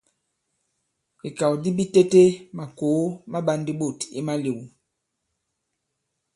I ikàw di bitete makòo ma ɓā ndī ɓôt i malēw.